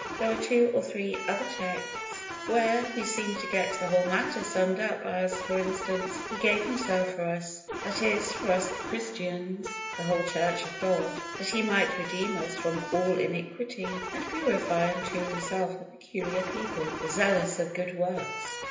There are two or three other texts where we seem to get the whole matter summed up, as, for instance, "He gave Himself for us (that is, for us Christians, the whole Church of God) that He might redeem us from all iniquity, and purify unto Himself a peculiar people, zealous of good works."